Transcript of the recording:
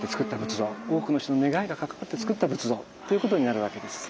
多くの人の願いが関わってつくった仏像っていうことになるわけです。